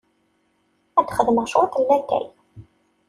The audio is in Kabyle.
Ad d-xedmeɣ cwiṭ n latay.